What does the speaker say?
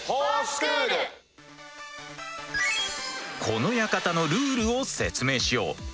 この館のルールを説明しよう。